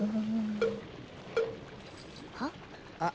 はっ！？